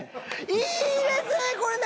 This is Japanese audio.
いいですね、これね。